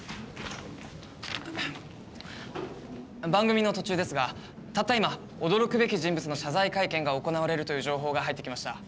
番組の途中ですがたった今驚くべき人物の謝罪会見が行われるという情報が入ってきました。